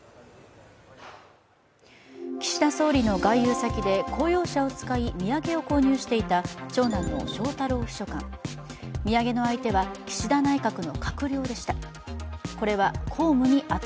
岸田総理の外遊先で公用車を使い土産を購入していた長男の翔太郎秘書官、土産の相手は岸田内閣の閣僚でした。